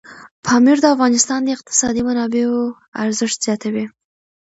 پامیر د افغانستان د اقتصادي منابعو ارزښت زیاتوي.